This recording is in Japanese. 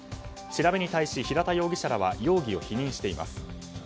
調べに対し平田容疑者らは容疑を否認しています。